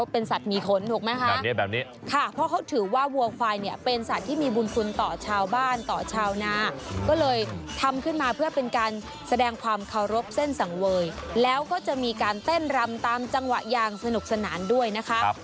เป็นสัตว์มีขนถูกไหมคะแบบนี้ค่ะเพราะเขาถือว่าวัวควายเนี่ยเป็นสัตว์ที่มีบุญคุณต่อชาวบ้านต่อชาวนาก็เลยทำขึ้นมาเพื่อเป็นการแสดงความเคารพเส้นสังเวยแล้วก็จะมีการเต้นรำตามจังหวะอย่างสนุกสนานด้วยนะคะ